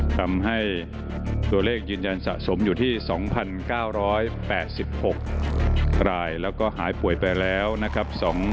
ทำให้ตัวเลขยืนยันสะสมอยู่ที่๒๙๘๖รายแล้วก็หายป่วยไปแล้วนะครับ